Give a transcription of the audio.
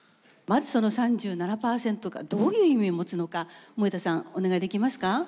まずその３７％がどういう意味を持つのか盛田さんお願いできますか？